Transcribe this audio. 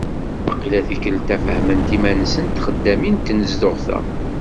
Waqila tikelt-a fahment iman-nsent txeddamin n tnezduɣt-a.